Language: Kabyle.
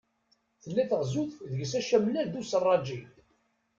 Tella teɣzuyt deg-s acamlal d userraǧi.